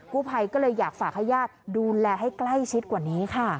ผู้ภัยก็เลยอยากฝากให้ญาติดูแลให้ใกล้ชิดกว่านี้ค่ะ